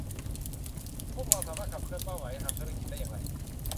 พวกเราสามารถขับเคลื่อนเป้าหมายทางธุรกิจได้อย่างไร